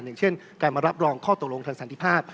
อย่างเช่นการมารับรองข้อตกลงทางสันติภาพ